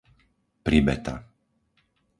Pribeta